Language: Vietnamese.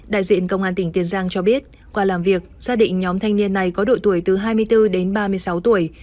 đại diện công an tỉnh tiền giang cho biết qua làm việc xác định nhóm thanh niên này có đội tuổi từ hai mươi bốn đến ba mươi sáu tuổi